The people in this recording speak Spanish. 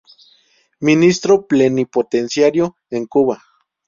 Ministro plenipotenciario en Cuba.